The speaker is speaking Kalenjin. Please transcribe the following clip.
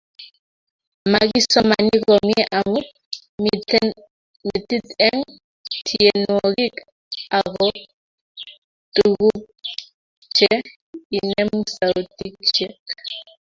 magisomani komnyei amu miten metit eng tyenwogik ago tuguk che inemu sautishek